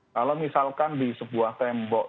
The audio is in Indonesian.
kalau misalkan di sebuah tembok